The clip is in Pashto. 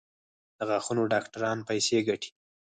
د غاښونو ډاکټران پیسې ګټي؟